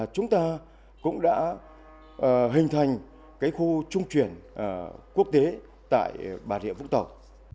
chúng ta cũng đã hình thành khu trung chuyển quốc tế tại bà rịa vũng tàu